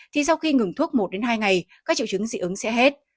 thì sau khi ngừng thuốc một đến hai ngày các triệu chứng dị ứng sẽ hết